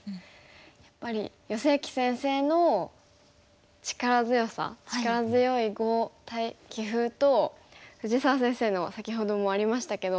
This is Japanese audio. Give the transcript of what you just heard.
やっぱり余正麒先生の力強さ力強い碁棋風と藤沢先生の先ほどもありましたけど。